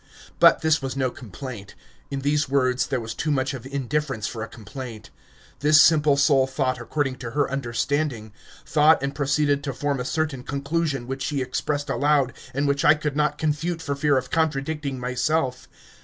But this was no complaint. In these words there was too much of indifference for a complaint. This simple soul thought according to her understanding thought and proceeded to form a certain conclusion which she expressed aloud, and which I could not confute for fear of contradicting myself.